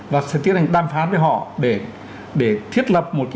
và sẽ tiến hành đàm phán với họ để thiết lập một quan hệ